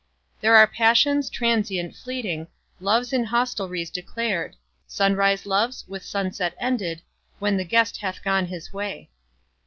There are passions, transient, fleeting, Loves in hostelries declar'd, Sunrise loves, with sunset ended, When the guest hath gone his way.